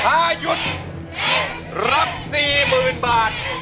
ถ้ายุดรับ๔๐๐๐๐บาท